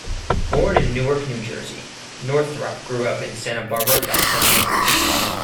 Born in Newark, New Jersey, Northrop grew up in Santa Barbara, California.